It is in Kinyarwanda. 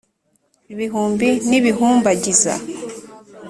ibihumbi n’ibihumbagiza